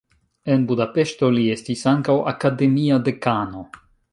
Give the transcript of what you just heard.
En Budapeŝto li estis ankaŭ akademia dekano.